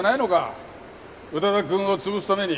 宇多田くんを潰すために。